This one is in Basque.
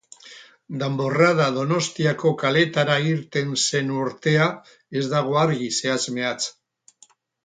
Danborrada Donostiako kaleetara irten zen urtea ez dago argi zehatz-mehatz.